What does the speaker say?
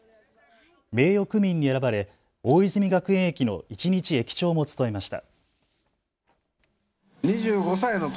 名誉区民に選ばれ大泉学園駅の一日駅長も務めました。